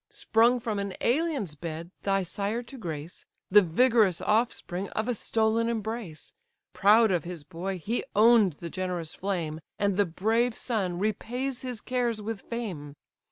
Sprung from an alien's bed thy sire to grace, The vigorous offspring of a stolen embrace: Proud of his boy, he own'd the generous flame, And the brave son repays his cares with fame.